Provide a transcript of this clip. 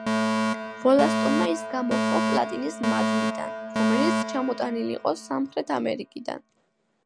ვოლასტონმა ის გამოჰყო პლატინის მადნიდან, რომელიც ჩამოტანილი იყო სამხრეთ ამერიკიდან.